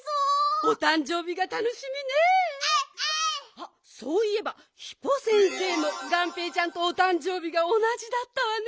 あっそういえばヒポ先生もがんぺーちゃんとおたんじょうびがおなじだったわね。